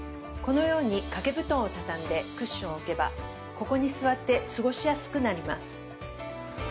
このように掛け布団を畳んでクッションを置けばここに座って過ごしやすくなります。